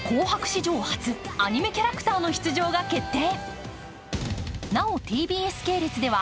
史上初、アニメキャラクターの出場が決定。